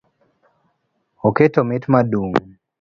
Oketo mit madung’